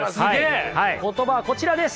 言葉はこちらです。